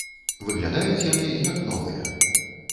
Выглядаюць яны як новыя.